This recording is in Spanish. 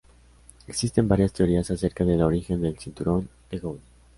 Existen varias teorías acerca del origen del cinturón de Gould.